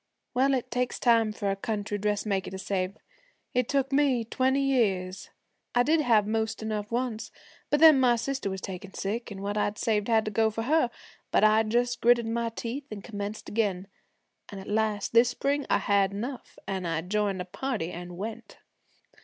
Well, it takes time for a country dressmaker to save. It took me twenty years. I did have most enough once, but then my sister was taken sick an' what I'd saved had to go for her. But I just gritted my teeth an' commenced again, and at last this spring I had enough, an' I joined a party and went.